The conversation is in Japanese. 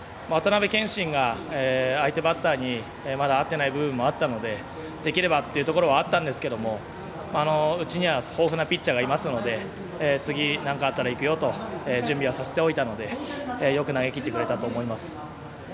渡邊建伸が相手バッターにまだ合っていない部分もあったのでできればというところはあったんですがうちには豊富なピッチャーがいますので次、なにかあったらいくよと準備させていたのでよく投げきってくれたと思います。